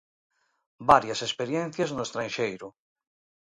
Varias experiencias no estranxeiro.